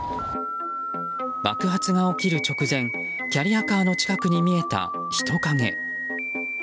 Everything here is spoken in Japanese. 爆発が起きる直前キャリアカーの近くに見えた人影。